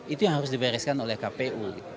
itu yang harus dibereskan oleh kpu